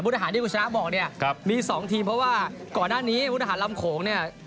ทหารที่คุณชนะบอกเนี่ยมีสองทีมเพราะว่าก่อนหน้านี้พุทธหาลำโขงเนี่ย